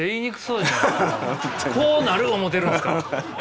こうなる思てるんですか？